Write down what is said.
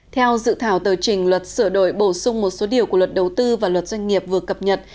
theo dự thảo tờ trình luật sửa đổi bổ sung một số điều của luật đầu tư và luật doanh nghiệp vừa cập nhật